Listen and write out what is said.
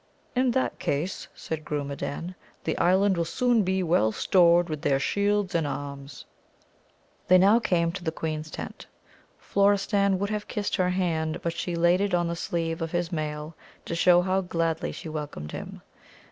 In that case, said Grumedan, the Island will soon be well stored with their shields and arms. They now came to the queen's tent. Florestan would have kissed her hand, but she laid it on the sleeve of his mail, to show how gladly she welcomed him.